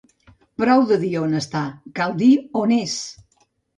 Prou de dir on està, cal dir on és.